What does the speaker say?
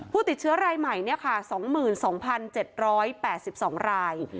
ผู้ติดเชื้อรายใหม่เนี่ยค่ะสองหมื่นสองพันเจ็ดร้อยแปดสิบสองราย